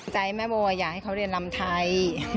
ใจแม่โบอยากให้เขาเรียนลำไทย